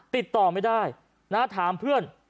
ติดต่อไม่ได้นะถามเพื่อน